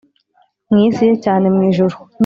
mu isi ye cyane mu ijuru